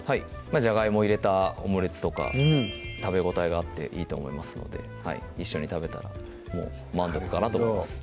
じゃがいも入れたオムレツとか食べ応えがあっていいと思いますので一緒に食べたらもう満足かなと思います